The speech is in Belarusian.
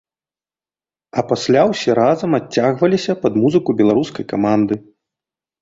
А пасля ўсе разам адцягваліся пад музыку беларускай каманды.